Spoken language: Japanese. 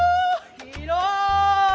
広い！